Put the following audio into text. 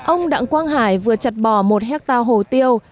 ông đặng quang hải vừa chặt bỏ một hectare hồ tiêu